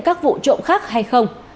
các vụ trộm khác hay không